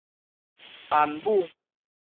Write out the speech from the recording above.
班母